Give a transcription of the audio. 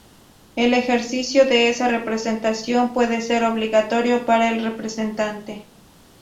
El ejercicio de esa representación puede ser obligatorio para el representante.